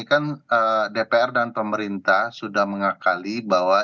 kan dpr dan pemerintah sudah mengakali bahwa